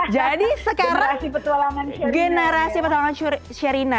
jadi sekarang generasi petualangan syarina